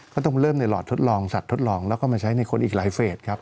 ต้องเริ่มในหลอดทดลองสัตวทดลองแล้วก็มาใช้ในคนอีกหลายเฟสครับ